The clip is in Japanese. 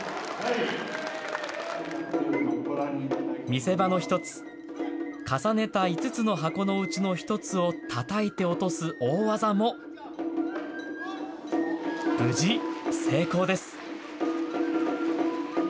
見せ場の一つ、重ねた５つの箱のうちの１つをたたいて落とす大技も、無事成功です。